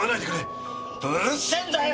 うるせえんだよ！